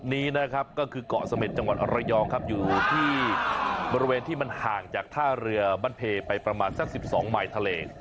นี้นะครับก็คือเกาะเสม็ดจังหวัดระยองครับอยู่ที่บริเวณที่มันห่างจากท่าเรือบ้านเพไปประมาณสัก๑๒มายทะเล